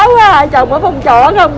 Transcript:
hai chồng ở phòng chổ không